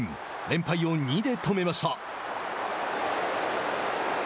連敗を２で止めました。